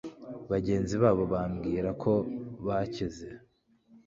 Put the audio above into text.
Bagenzi babo bibwira ko bakize